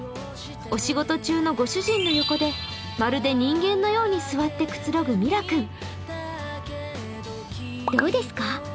お仕事中のご主人の横でまるで人間のように座ってくつろぐミラ君。